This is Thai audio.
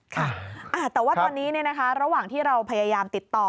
ค่ะแต่ว่าตอนนี้ระหว่างที่เราพยายามติดต่อ